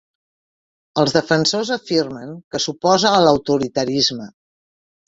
Els defensors afirmen que s'oposa a l'autoritarisme.